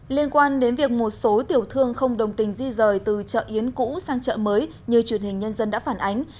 liên quan đến việc một số tiểu thương không đồng tình di rời từ chợ yến cũ sang chợ mới như truyền hình nhân dân đã phản ánh